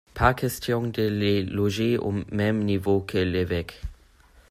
Pas question de les loger au même niveau que l'évêque.